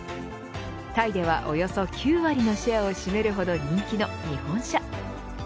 タイではおよそ９割のシェアを占めるほど人気の日本車。